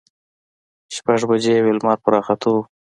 شپږ بجې وې، لمر په راختو و.